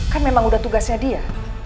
kan memang udah tugasnya dia